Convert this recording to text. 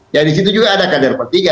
ya di situ juga ada kader bertiga